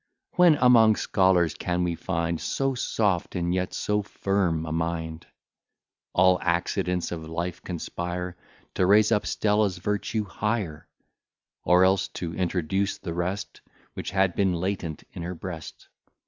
When, among scholars, can we find So soft and yet so firm a mind? All accidents of life conspire To raise up Stella's virtue higher; Or else to introduce the rest Which had been latent in her breast.